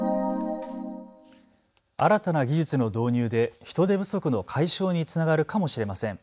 新たな技術の導入で人手不足の解消につながるかもしれません。